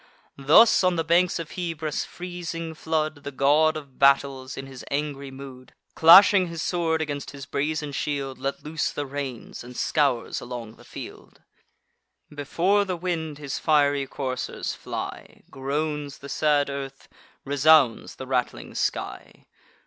Thus, on the banks of Hebrus' freezing flood, The God of Battles, in his angry mood, Clashing his sword against his brazen shield, Let loose the reins, and scours along the field: Before the wind his fiery coursers fly; Groans the sad earth, resounds the rattling sky.